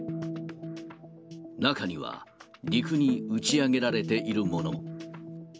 中には、陸に打ち上げられているものも。